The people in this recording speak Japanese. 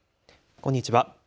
こんにちは。